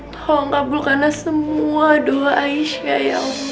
tolong kabulkanlah semua doa aisyah ya allah